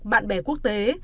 bạn bè quốc tế